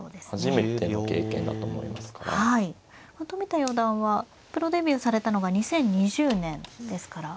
冨田四段はプロデビューされたのが２０２０年ですから。